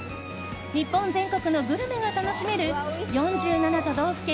日本全国のグルメが楽しめる４７都道府県